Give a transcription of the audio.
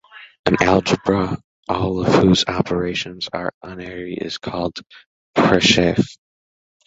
An algebra all of whose operations are unary is called a presheaf.